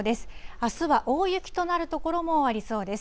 あすは大雪となる所もありそうです。